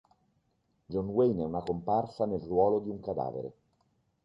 John Wayne è una comparsa nel ruolo di un cadavere.